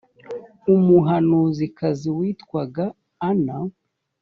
umuhanuzikazi witwaga ana